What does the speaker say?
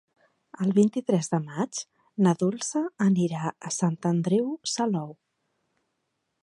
El vint-i-tres de maig na Dolça anirà a Sant Andreu Salou.